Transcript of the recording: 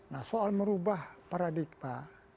nah soal merubah paradigma